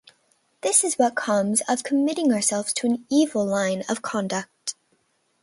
This is what comes of committing ourselves to an evil line of conduct.